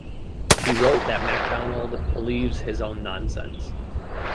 He wrote that MacDonald believes his own nonsense.